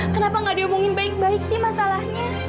kenapa gak diomongin baik baik sih masalahnya